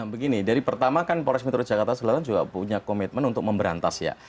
begini dari pertama kan polres metro jakarta selatan juga punya komitmen untuk memberantas ya